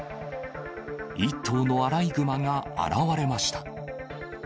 １頭のアライグマが現れました。